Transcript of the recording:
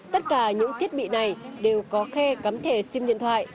tất cả những thiết bị này đều có khe cắm thể sim điện thoại